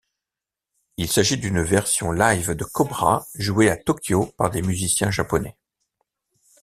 Il s'agit d'une version live de Cobra jouée à Tokyo par des musiciens japonais.